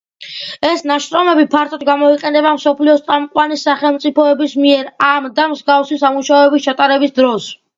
ეს ნაშრომები ფართოდ გამოიყენება მსოფლიოს წამყვანი სახელმწიფოების მიერ ამ და მსგავსი სამუშაოების ჩატარების დროს.